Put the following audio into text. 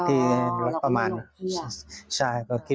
ที่ประมาณอ๋อหลักมือหลงเบี้ย